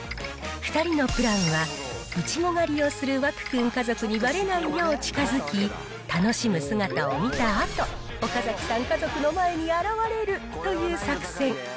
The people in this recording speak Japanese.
２人のプランは、いちご狩りをする湧くん家族にばれないよう近づき、楽しむ姿を見たあと、岡崎さん家族の前に現れるという作戦。